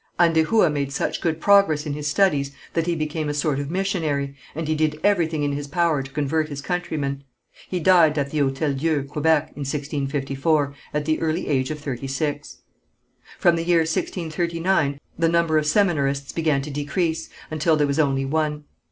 Andehoua made such good progress in his studies that he became a sort of missionary, and he did everything in his power to convert his countrymen. He died at the Hôtel Dieu, Quebec, in 1654, at the early age of thirty six. From the year 1639 the number of seminarists began to decrease, until there was only one.